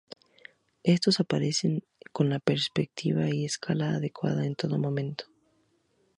Estos aparecerán con la perspectiva y escala adecuadas en todo momento.